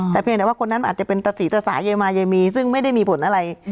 แต่เพียงแต่ว่าคนนั้นอาจจะเป็นตะสีตะสายายมาเยมีซึ่งไม่ได้มีผลอะไร